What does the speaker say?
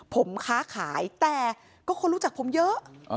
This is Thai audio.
ผมค้าขายแต่ก็คนรู้จักผมเยอะ